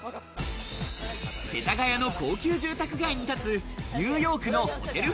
世田谷の高級住宅街に立つニューヨークのホテル風